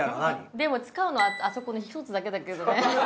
でも使うのはあそこの１つだけだけどね。